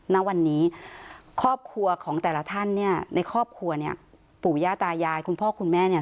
ณวันนี้ครอบครัวของแต่ละท่านเนี่ยในครอบครัวเนี่ยปู่ย่าตายายคุณพ่อคุณแม่เนี่ย